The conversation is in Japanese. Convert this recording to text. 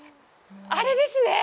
あれですね。